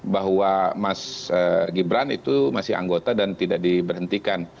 bahwa mas gibran itu masih anggota dan tidak diberhentikan